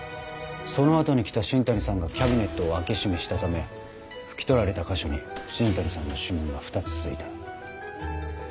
その後に来た新谷さんがキャビネットを開け閉めしたため拭き取られた箇所に新谷さんの指紋が２つついた。